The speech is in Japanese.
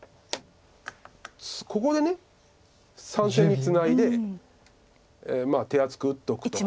ここで３線にツナいで手厚く打っとくと。